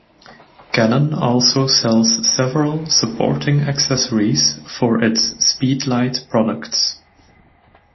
Canon also sells several supporting accessories for its Speedlite products.